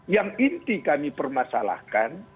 yang inti kami permasalahkan